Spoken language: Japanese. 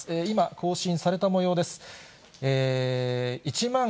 今、更新されたもようです。